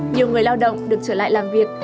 nhiều người lao động được trở lại làm việc